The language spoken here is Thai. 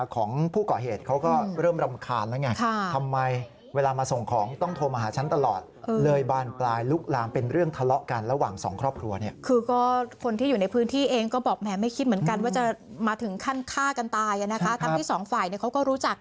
คือก็คนที่อยู่ในพื้นที่เองก็บอกแม่งไม่คิดเหมือนกันว่าจะมาถึงขั้นฆ่ากันตายแล้ว